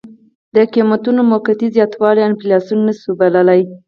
د قیمتونو موقتي زیاتوالی انفلاسیون نه شو بللی.